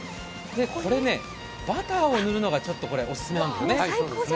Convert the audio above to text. これね、バターを塗るのがおすすめなんですよね。